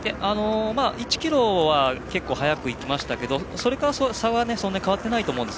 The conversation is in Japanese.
１ｋｍは結構速く行きましたけどそこから差はそれほど変わっていないです。